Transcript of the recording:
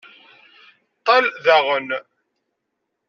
Ṭṭal daɣen!